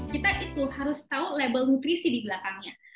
kita itu harus tahu label nutrisi di belakangnya